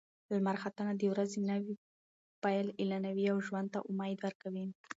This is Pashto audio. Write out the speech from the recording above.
لمر ختنه د ورځې نوی پیل اعلانوي او ژوند ته امید ورکوي.